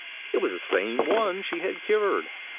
It was the same one she had cured.